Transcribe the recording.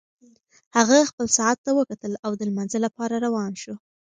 هغه خپل ساعت ته وکتل او د لمانځه لپاره روان شو.